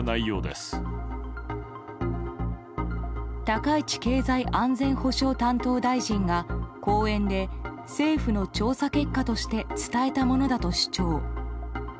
高市経済安全保障担当大臣が講演で政府の調査結果として伝えたものだと主張。